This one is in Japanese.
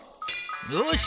よし！